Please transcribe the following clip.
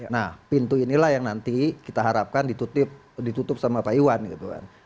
nah pintu inilah yang nanti kita harapkan ditutup sama pak iwan gitu kan